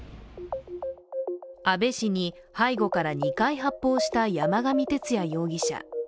安倍氏に、背後から２回発砲した山上徹也容疑者。